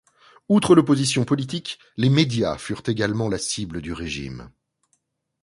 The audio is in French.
Outre l'opposition politique, les médias furent également la cible du régime.